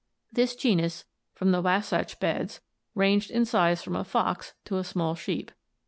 This genus, from the Wasatch beds, ranged in size from a fox to a small sheep.